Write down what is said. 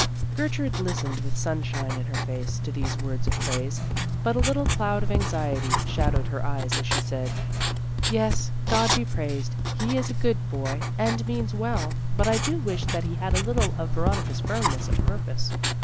Gertrude listened with sunshine in her face to these words of praise, but a little cloud of anxiety shadowed her eyes as she said, "Yes, God be praised, he is a good boy and means well, but I do wish that he had a little of Veronica's firmness of purpose.